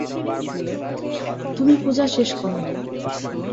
তুমি পূজা শেষ করো।